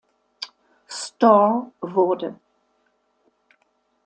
Store" wurde.